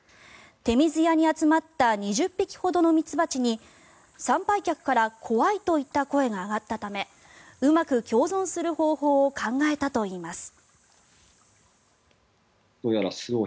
手水舎に集まった２０匹ほどの蜜蜂に参拝客から怖いといった声が上がったためうまく共存する方法を考えたといいます。